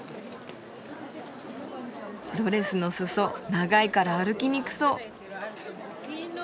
ドレスの裾長いから歩きにくそう。